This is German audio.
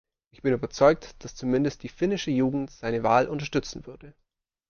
Ich bin überzeugt, dass zumindest die finnische Jugend seine Wahl unterstützen würde.